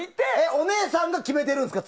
お姉さんが決めてるんですか？